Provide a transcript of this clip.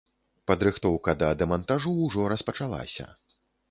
Падрыхтоўка да дэмантажу ўжо распачалася.